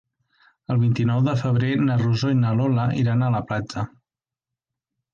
El vint-i-nou de febrer na Rosó i na Lola iran a la platja.